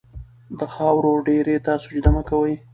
د خاورو ډېري ته سجده مه کوئ.